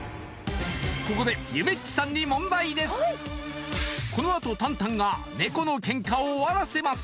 ここでこのあとタンタンがネコのケンカを終わらせます